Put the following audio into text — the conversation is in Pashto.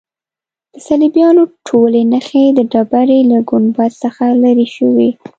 د صلیبیانو ټولې نښې د ډبرې له ګنبد څخه لیرې شوې.